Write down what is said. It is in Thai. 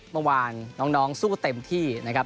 เมื่อวานน้องสู้เต็มที่นะครับ